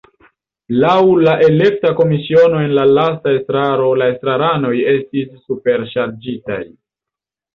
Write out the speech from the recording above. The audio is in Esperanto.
Laŭ la elekta komisiono en la lasta estraro la estraranoj estis “superŝarĝitaj”.